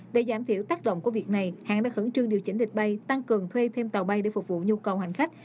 để giảm thiểu tác động của việc này hãng đã khẩn trương điều chỉnh lịch bay tăng cường thuê thêm tàu bay để phục vụ nhu cầu hành khách